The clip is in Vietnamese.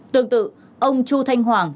tương tự ông chu thanh hoàng